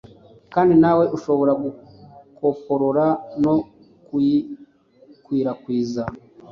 kandi nawe ushobora gukoporora no kuyikwirakwiza